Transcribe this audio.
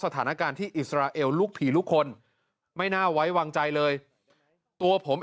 สถานการณ์ที่อิสราเอลลูกผีลูกคนไม่น่าไว้วางใจเลยตัวผม